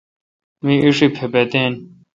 می ایݭی پپتیں۔